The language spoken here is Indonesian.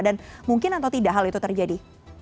dan mungkin atau tidak hal itu terjadi